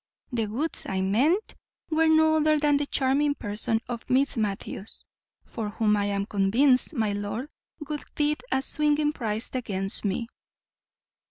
The goods I meant were no other than the charming person of Miss Matthews, for whom I am convinced my lord would bid a swinging price against me."